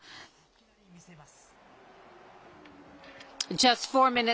いきなり見せます。